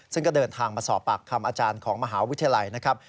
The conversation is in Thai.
ซึ่งก็เดินทางมาสอบปากคำอาจารย์ของมหาวิทยาลัยนะครับ